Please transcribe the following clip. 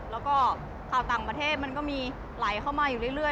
แล้วก็ข่าวต่างประเทศมันก็มีไหลเข้ามาอยู่เรื่อย